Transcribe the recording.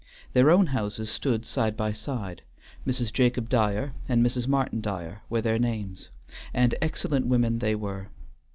Their own houses stood side by side. Mrs. Jacob Dyer and Mrs. Martin Dyer were their names, and excellent women they were.